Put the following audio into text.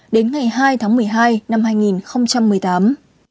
đến ngày hai tháng một mươi hai năm hai nghìn một mươi tám